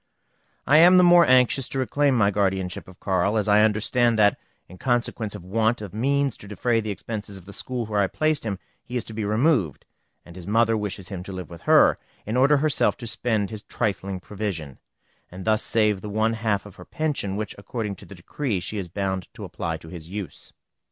I am the more anxious to reclaim my guardianship of Carl, as I understand that, in consequence of want of means to defray the expenses of the school where I placed him, he is to be removed, and his mother wishes him to live with her, in order herself to spend his trifling provision, and thus save the one half of her pension, which, according to the decree, she is bound to apply to his use.